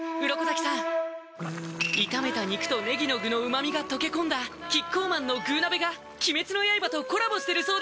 鱗滝さん炒めた肉とねぎの具の旨みが溶け込んだキッコーマンの「具鍋」が鬼滅の刃とコラボしてるそうです